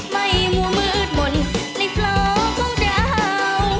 ไม่มั่วมืดหมดในฟลองของเจ้า